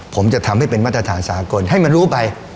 ผมจะทำให้เป็นมาตรฐานสากลให้มันรู้ไป